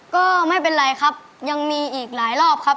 ก็ไม่เป็นไรครับยังมีอีกหลายรอบครับ